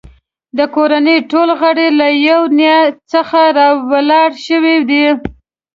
د کورنۍ ټول غړي له یوې نیا څخه راولاړ شوي دي.